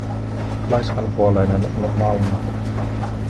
Laiskanpuoleinen on Mauno.